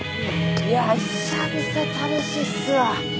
いや久々楽しいっすわ。